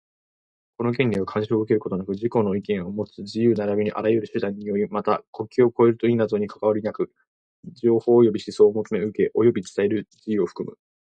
この権利は、干渉を受けることなく自己の意見をもつ自由並びにあらゆる手段により、また、国境を越えると否とにかかわりなく、情報及び思想を求め、受け、及び伝える自由を含む。